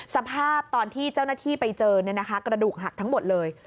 สภาพตอนที่เจ้าหน้าที่ไปเจอกระดูกหักทั้งหมดเลย